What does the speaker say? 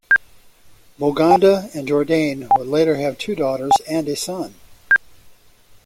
Boganda and Jourdain would later have two daughters and a son.